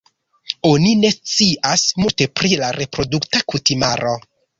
Oni ne scias multe pri la reprodukta kutimaro.